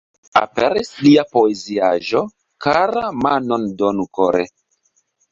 Aperis lia poeziaĵo "Kara, manon donu kore!